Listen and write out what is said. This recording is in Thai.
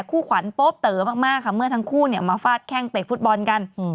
คู่ขวัญโป๊เต๋อมากค่ะเมื่อทั้งคู่เนี่ยมาฟาดแข้งเตะฟุตบอลกัน